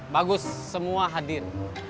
bagus semua hadir